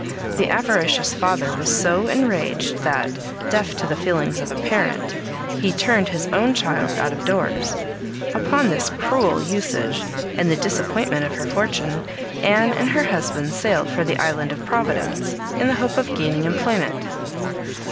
The avaricious father was so enraged, that, deaf to the feelings of a parent, he turned his own child out of doors. Upon this cruel usage, and the disappointment of her fortune, Anne and her husband sailed for the island of Providence, in the hope of gaining employment.